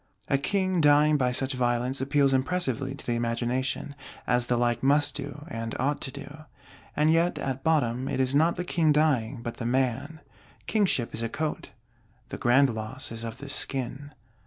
A King dying by such violence appeals impressively to the imagination; as the like must do, and ought to do. And yet at bottom it is not the King dying, but the man! Kingship is a coat: the grand loss is of the skin.